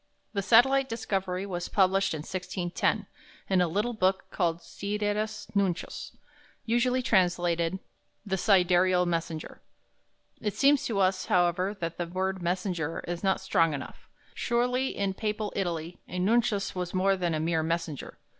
The satellite discovery was published in 1610 in a little book called "Sidereus Nuncius," usually translated "The Sidereal Messenger." It seems to us, however, that the word "messenger" is not strong enough; surely in Papal Italy a nuncius was more than a mere messenger.